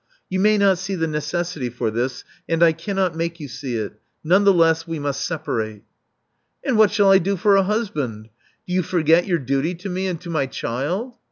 You may not see the necessity for this ; and I cannot make you see it. None the less, we must separate. And what 'shall I do for a husband? Do you for get your duty to me, and to my child?